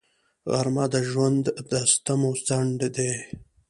غرمه د ژوند د ستمو ځنډ دی